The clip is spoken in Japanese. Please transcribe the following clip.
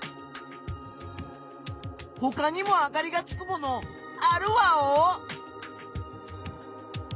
ほかにもあかりがつくものあるワオ？